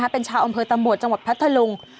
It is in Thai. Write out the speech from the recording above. เป็นชาวอำเภอตำรวจจังหวัดพัทธลุง